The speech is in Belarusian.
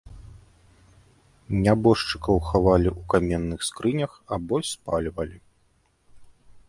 Нябожчыкаў хавалі ў каменных скрынях або спальвалі.